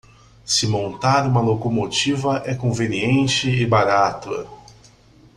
Se montar uma locomotiva é conveniente e barato